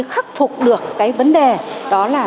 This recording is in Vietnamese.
khắc phục được cái vấn đề đó là